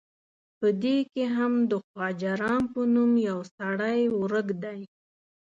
په دې کې هم د خواجه رام په نوم یو سړی ورک دی.